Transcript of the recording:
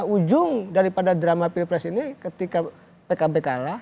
ujung daripada drama pilpres ini ketika pkb kalah